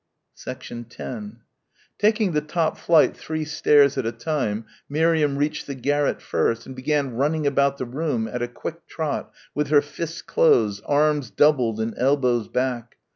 10 Taking the top flight three stairs at a time Miriam reached the garret first and began running about the room at a quick trot with her fists closed, arms doubled and elbows back.